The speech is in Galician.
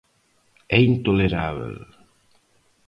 É intolerábel.